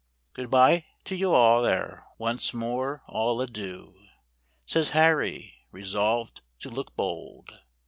Good b'ye to you all there—once more all adieu— Says Harry, resolved to look bold.